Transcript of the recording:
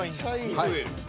はい。